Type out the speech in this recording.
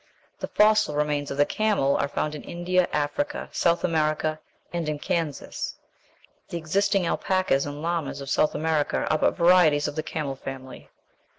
The fossil remains of the camel are found in India, Africa, South America, and in Kansas. The existing alpacas and llamas of South America are but varieties of the camel family.